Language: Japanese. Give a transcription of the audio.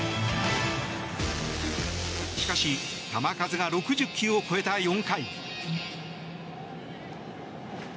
しかし球数が６０球を超えた４回。